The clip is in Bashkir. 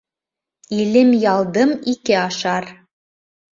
Илем-ялдым ике ашар